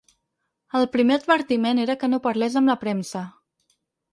El primer advertiment era que no parlés amb la premsa.